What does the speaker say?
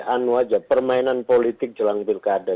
anu aja permainan politik jelang pilkada